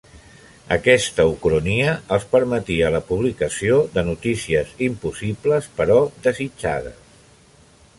Aquesta ucronia els permetia la publicació de notícies impossibles però desitjades.